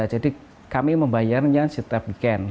jadi kami membayarnya setiap weekend